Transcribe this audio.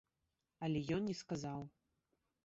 Але ён не сказаў.